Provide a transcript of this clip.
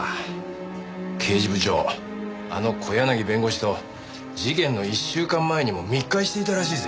刑事部長あの小柳弁護士と事件の１週間前にも密会していたらしいぜ。